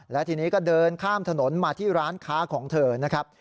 และทีนี้ก็เดินข้ามถนนมาที่ร้านค้าของเธอนะครับ